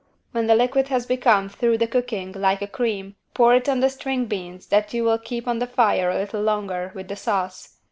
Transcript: When the liquid has become, through the cooking, like a cream, pour it on the string beans that you will keep on the fire a little longer, with the sauce.